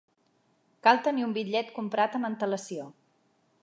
Cal tenir un bitllet comprat amb antelació.